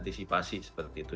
diantisipasi seperti itu